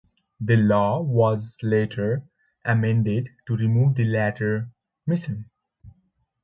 The law was later amended to remove the latter mission.